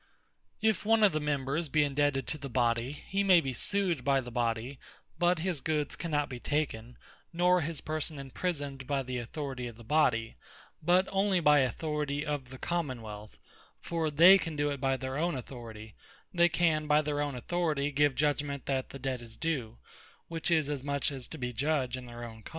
If one of the Members be indebted to the Body, he may be sued by the Body; but his goods cannot be taken, nor his person imprisoned by the authority of the Body; but only by Authority of the Common wealth: for if they can doe it by their own Authority, they can by their own Authority give judgement that the debt is due, which is as much as to be Judge in their own Cause.